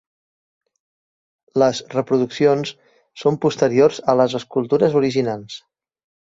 Les reproduccions són posteriors a les escultures originals.